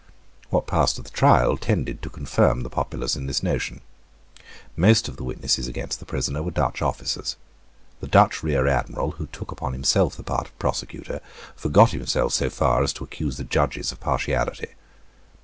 What passed at the trial tended to confirm the populace in this notion. Most of the witnesses against the prisoner were Dutch officers. The Dutch real admiral, who took on himself the part of prosecutor, forgot himself so far as to accuse the judges of partiality.